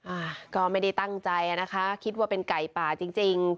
อ่าก็ไม่ได้ตั้งใจอ่ะนะคะคิดว่าเป็นไก่ป่าจริงจริง